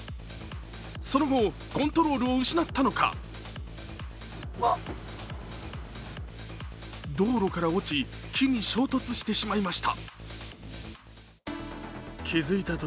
その後、コントロールを失ったのか道路から落ち、木に衝突してしまいました。